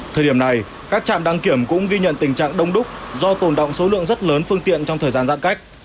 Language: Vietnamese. thời điểm này các trạm đăng kiểm cũng ghi nhận tình trạng đông đúc do tồn động số lượng rất lớn phương tiện trong thời gian giãn cách